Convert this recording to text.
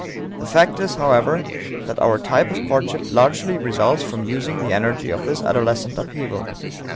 The fact is, however, that our type of courtship largely results from using the energy of this adolescent upheaval.